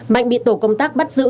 mạnh bị tổ công tác bắt giữ